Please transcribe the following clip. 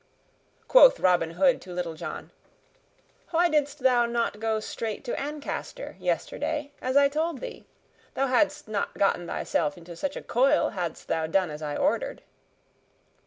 Quoth Robin Hood to Little John, "Why didst thou not go straight to Ancaster, yesterday, as I told thee? Thou hadst not gotten thyself into such a coil hadst thou done as I ordered."